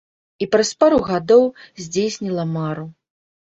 І праз пару гадоў здзейсніла мару.